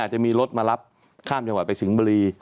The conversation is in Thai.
อาจจะมีรถมารับข้ามจังหวัดไปถึงบุรี